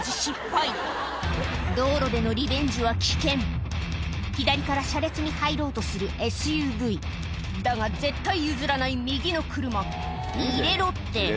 失敗道路でのリベンジは危険左から車列に入ろうとするＳＵＶだが絶対譲らない右の車「入れろって」